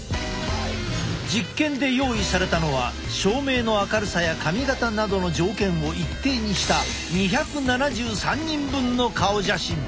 実験で用意されたのは照明の明るさや髪形などの条件を一定にした２７３人分の顔写真。